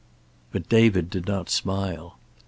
But David did not smile.